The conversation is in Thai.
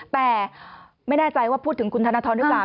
แต่ไม่แน่ใจว่าพูดถึงคุณธนทรหรือเปล่า